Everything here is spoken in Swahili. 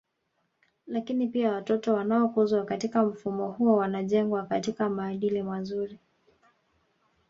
Lakini pia watoto wanaokuzwa katika mfumo huo wanajengwa katika maadili mazuri